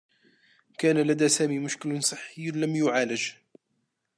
كان لدى سامي مشكل صحّي لم يُعالج.